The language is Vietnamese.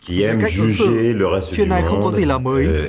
nghĩa cách ứng xử chuyện này không có gì là mới